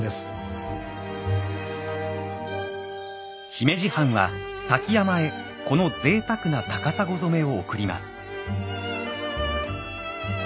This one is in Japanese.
姫路藩は瀧山へこの贅沢な高砂染を贈ります。